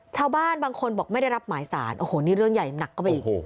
ชาวบ้านบางคนบอกไม่ได้รับหมายสารโอ้โหนี่เรื่องใหญ่หนักเข้าไปอีก